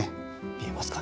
見えますかね？